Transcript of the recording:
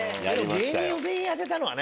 芸人全員当てたのはね。